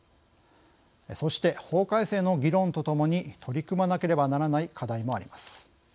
そして法改正の議論とともに取り組まなければならない課題もあります。